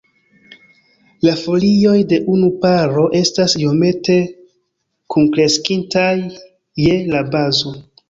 La folioj de unu paro estas iomete kunkreskintaj je la bazo.